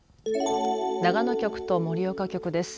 長野局と盛岡局です。